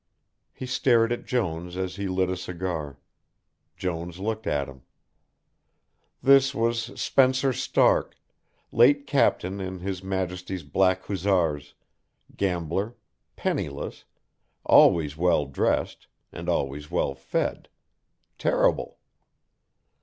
He stared at Jones as he lit a cigar. Jones looked at him. This was Spencer Stark, late Captain in His Majesty's Black Hussars, gambler, penniless, always well dressed, and always well fed Terrible.